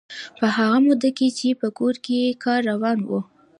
په هغه موده کې چې په کور کې کار روان و.